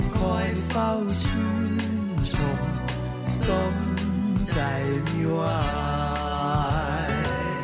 คอยเฝ้าชื่นชมสมใจไม่ไหว